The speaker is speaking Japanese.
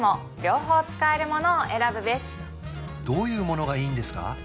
どういうものがいいんですか？